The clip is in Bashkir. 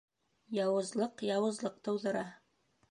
Яуызлыҡ яуызлыҡ тыуҙыра.